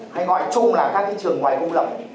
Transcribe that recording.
hay gọi chung là các trường ngoài công lập